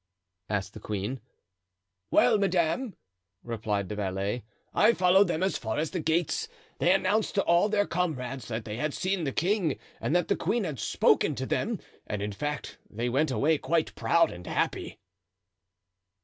asked the queen "Well, madame," replied the valet, "I followed them as far as the gates. They announced to all their comrades that they had seen the king and that the queen had spoken to them; and, in fact, they went away quite proud and happy."